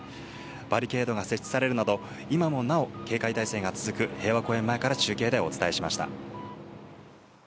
バリケードが設置されるなど、今もなお警戒態勢が続く平和公園前から中継でお伝えしました。